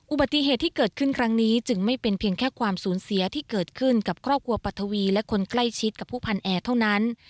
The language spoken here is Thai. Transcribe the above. อุบัติเหตุที่เกิดขึ้นครั้งนี้จึงไม่เป็นเพียงแค่ความสูญเสียที่เกิดขึ้นกับครอบครัวปัทวีและคนใกล้ชิดกับผู้พันแอร์เท่านั้น